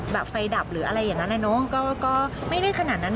แบบไฟดับหรืออะไรอย่างนั้นนะเนอะก็ก็ไม่ได้ขนาดนั้นเนอะ